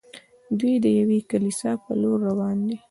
دوی د یوې کلیسا پر لور روان دي.